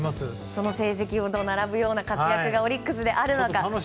その成績と並ぶような活躍がオリックスであるのか。